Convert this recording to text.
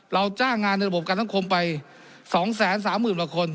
เราจ้างงานในระบบการสังคมไป๒๓๐๐๐กว่าคน